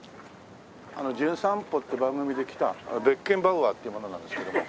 『じゅん散歩』って番組で来たベッケンバウアーっていう者なんですけども。